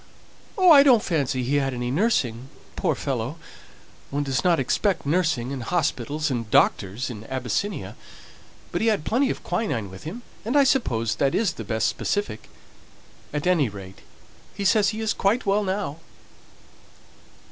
"Oh, I don't fancy he had any nursing, poor fellow! One doesn't expect nursing, and hospitals, and doctors in Abyssinia; but he had plenty of quinine with him, and I suppose that is the best specific. At any rate he says he is quite well now!"